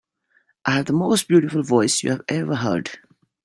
I have the most beautiful voice you have ever heard.